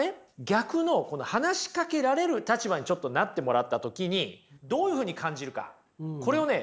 逆の話しかけられる立場にちょっとなってもらった時にどういうふうに感じるかこれをね